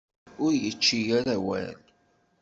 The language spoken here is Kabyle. Ur yečči ara awal.